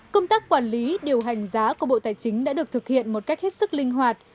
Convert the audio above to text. công tác quản lý điều hành giá của bộ tài chính đã được thực hiện một cách hết sức linh hoạt